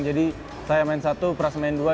jadi saya main satu pras main dua